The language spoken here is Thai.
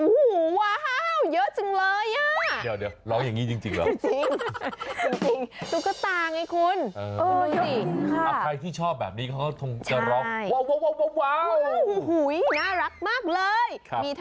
อู้ว้าวเยอะจังเลย